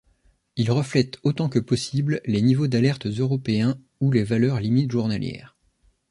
Il reflète autant que possible les niveaux d'alertes européens ou les valeurs limites journalières.